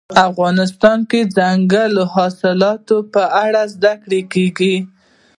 افغانستان کې د دځنګل حاصلات په اړه زده کړه کېږي.